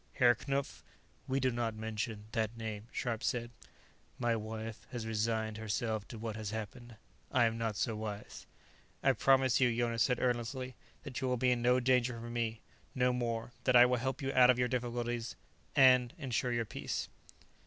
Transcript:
"Herr Knupf " "We do not mention that name," Scharpe said. "My wife has resigned herself to what has happened; I am not so wise." "I promise you," Jonas said earnestly, "that you will be in no danger from me. No, more: that I will help you out of your difficulties, and ensure your peace."